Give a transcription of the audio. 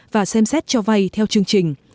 và xem xét cho vay theo chương trình